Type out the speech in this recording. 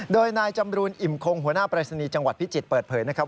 โดยนายจำรูนอิ่มคงหัวหน้าปรายศนีย์จังหวัดพิจิตรเปิดเผยนะครับ